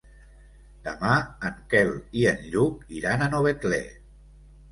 Demà en Quel i en Lluc iran a Novetlè.